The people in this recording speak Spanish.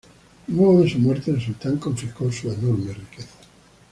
Luego de su muerte, el sultán confiscó su enorme riqueza.